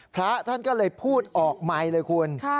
พระท่านก็เลยพูดออกไมค์เลยคุณ